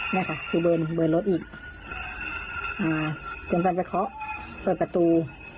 นี่ค่ะคือเบิร์นรถอีกจนกำลังจะเคาะเปิดประตู